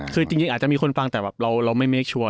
คือจริงอาจจะมีคนฟังแต่แบบเราไม่เคชัวร์